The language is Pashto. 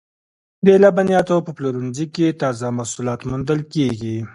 د لبنیاتو په پلورنځیو کې تازه محصولات موندل کیږي.